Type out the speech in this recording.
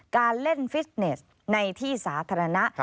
การเล่นฟิสเนสในที่สาธารณะ